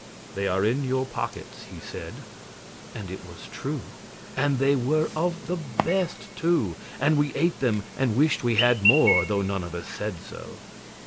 "They are in your pockets," he said, and it was true. And they were of the best, too, and we ate them and wished we had more, though none of us said so.